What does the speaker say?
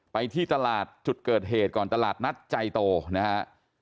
ไปที่ตลาดจุดเกิดเหตุก่อนตลาดนัดใจโตนะฮะ